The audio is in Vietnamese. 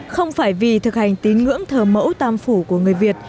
không phải vì thực hành tín ngưỡng thờ mẫu tam phủ của người việt